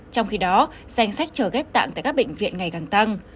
trong khi đó danh sách chờ ghép tạng tại các bệnh viện ngày càng tăng